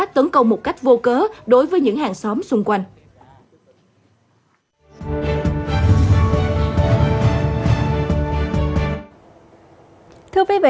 tấn công một cách vô cớ đối với những hàng xóm xung quanh